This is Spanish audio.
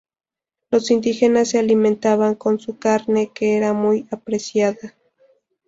Los indígenas se alimentaban con su carne, que era muy apreciada.